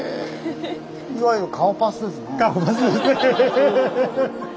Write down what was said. いわゆる顔パスですね。